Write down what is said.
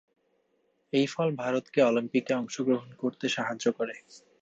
এই ফল ভারতকে অলিম্পিকে অংশগ্রহণ করতে সাহায্য করে।